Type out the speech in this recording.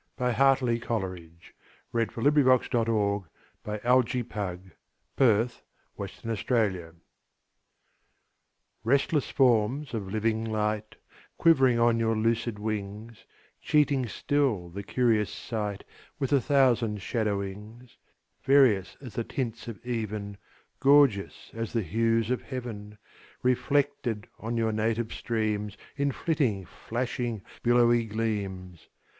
G H . I J . K L . M N . O P . Q R . S T . U V . W X . Y Z Address to Certain Golfishes RESTLESS forms of living light Quivering on your lucid wings, Cheating still the curious sight With a thousand shadowings; Various as the tints of even, Gorgeous as the hues of heaven, Reflected on you native streams In flitting, flashing, billowy gleams!